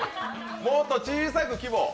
もっと小さく、規模。